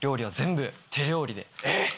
えっ！